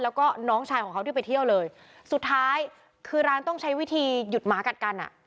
แล้วก็น้องชายของเขาที่ไปเที่ยวเลยสุดท้ายคือร้านต้องใช้วิธีหยุดหมากัดกันอ่ะ